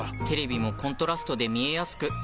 テレビもコントラストで見えやすく。